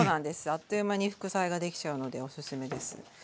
あっという間に副菜ができちゃうのでおすすめです。